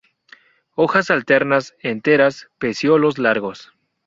Hojas alternas, enteras; pecíolos largos.